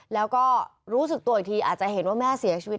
แล้วก็รู้สึกตัวอีกทีเห็นว่าแม่สิ๑๙๔๑แล้ว